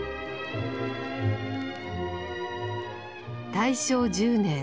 大正１０年。